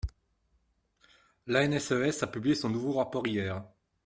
L’ANSES a publié son nouveau rapport hier.